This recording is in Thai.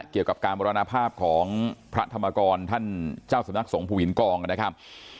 เกี่ยวกับการมรณภาพของพระธรรมกรท่านเจ้าสำนักสงภูหินกองนะครับ